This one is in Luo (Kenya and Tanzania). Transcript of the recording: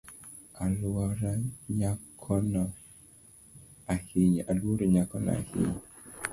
Aluoro nyakono ahinya